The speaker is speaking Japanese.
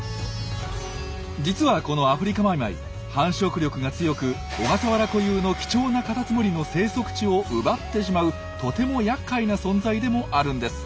実はこのアフリカマイマイ繁殖力が強く小笠原固有の貴重なカタツムリの生息地を奪ってしまうとてもやっかいな存在でもあるんです。